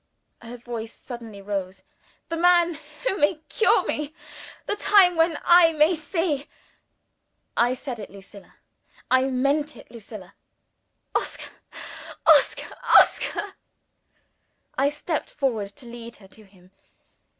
Her voice suddenly rose. "The man who may cure me! the time when I may see!" "I said it, Lucilla. I meant it, Lucilla." "Oscar! Oscar!! Oscar!!!" I stepped forward to lead her to him.